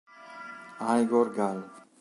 Igor Gal